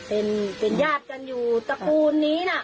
เป็นเป็นญาติกันอยู่ตระกูลนี้น่ะ